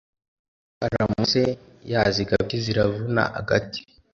Iyo aramutse yazigabye ziravuna agati,